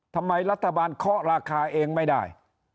ทำไมรัฐบาลเคาะราคาเองไม่ได้